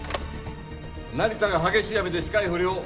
成田が激しい雨で視界不良。